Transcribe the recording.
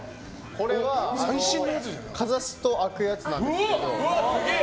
これは、かざすと開くやつなんですけど。